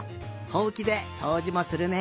ほうきでそうじもするね。